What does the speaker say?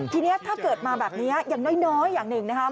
ทีนี้ถ้าเกิดมาแบบนี้อย่างน้อยอย่างหนึ่งนะครับ